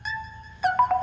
ada keperluan apa ya